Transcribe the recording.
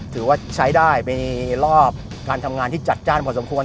ถือว่าใช้ได้ในรอบการทำงานที่จัดจ้านพอสมควร